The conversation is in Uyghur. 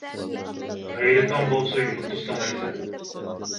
غەيرىتىڭ بولسا يۇلتۇز سانايسەن.